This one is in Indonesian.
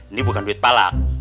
ini bukan duit palak